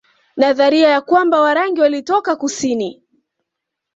Nadharia ya kwamba Warangi walitoka kusini